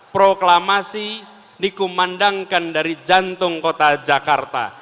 proklamasi dikumandangkan dari jantung kota jakarta